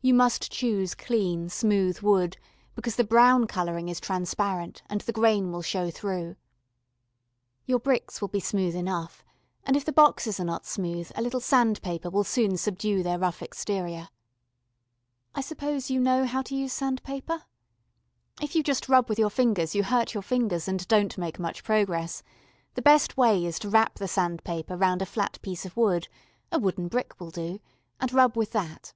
You must choose clean, smooth wood, because the brown colouring is transparent, and the grain will show through. Your bricks will be smooth enough, and if the boxes are not smooth a little sand paper will soon subdue their rough exterior. I suppose you know how to use sand paper? If you just rub with your fingers you hurt your fingers and don't make much progress; the best way is to wrap the sand paper round a flat piece of wood a wooden brick will do and rub with that.